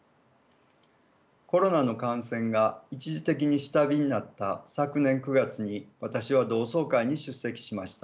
コロナの感染が一時的に下火になった昨年９月に私は同窓会に出席しました。